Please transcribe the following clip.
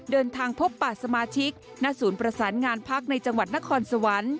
เดินทางพบป่าสมาชิกณศูนย์ประสานงานพักในจังหวัดนครสวรรค์